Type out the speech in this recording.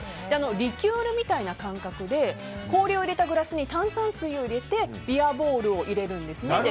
リキュールみたいな感覚で氷を入れたグラスに炭酸水を入れてビアボールを入れるんですね。